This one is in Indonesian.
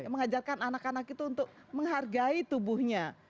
mengajarkan anak anak itu untuk menghargai tubuhnya